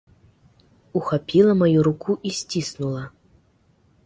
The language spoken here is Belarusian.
Ухапіла маю руку і сціснула.